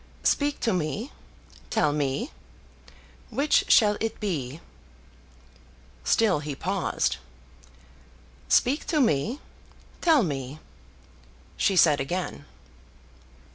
"Speak to me! Tell me! Which shall it be?" Still he paused. "Speak to me. Tell me!" she said again.